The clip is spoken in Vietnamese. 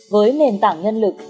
với nền tảng nhân lực